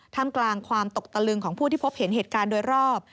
ทำกลางความตกตะลึงของผู้ที่พบเห็นเหตุการณ์โดยรอบ